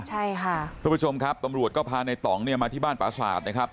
ใช่ค่ะทุกผู้ชมครับตำรวจก็พาในต่องเนี่ยมาที่บ้านปราศาสตร์นะครับ